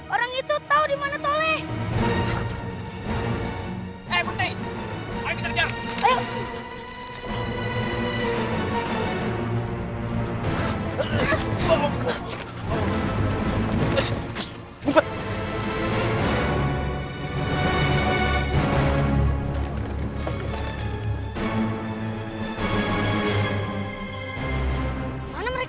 orang itu tau dimana tolek